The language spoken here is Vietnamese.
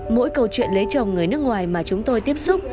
mỗi câu chuyện lấy chồng người nước ngoài mà chúng tôi tiếp xúc